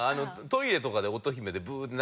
トイレとかで音姫でブーって。